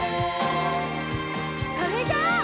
それじゃあ。